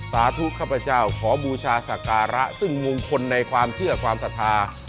สาธุข้าพเจ้าขอบูชาศักระซึ่งมงคลในความเชื่อความศรัทธา